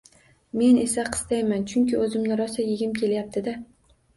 Men esa qistayman, chunki o’zimni rosa yegim kelyapti-da.